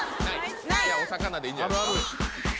じゃあお魚でいいんじゃないですか？